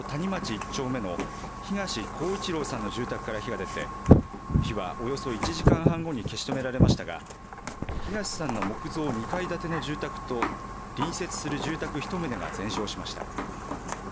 １丁目の東広一郎さんの住宅から火が出て火はおよそ１時間半後に消し止められましたが東さんの木造２階建ての住宅と隣接する住宅１棟が全焼しました。